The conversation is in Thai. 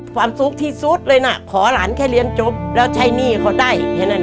ความสุขที่สุดเลยน่ะขอหลานแค่เลี่ยนจุ๊บแล้วใช้หนี้เขาได้